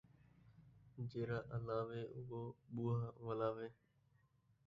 جیڑھا الاوے، اوہو ٻوہا ولاوے